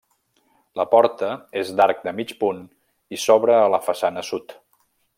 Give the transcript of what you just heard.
La porta és d'arc de mig punt i s'obre a la façana sud.